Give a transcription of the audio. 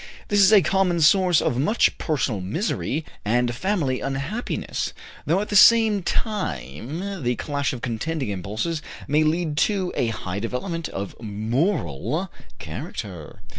This is a common source of much personal misery and family unhappiness, though at the same time the clash of contending impulses may lead to a high development of moral character.